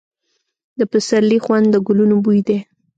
د پسرلي خوند د ګلونو بوی دی.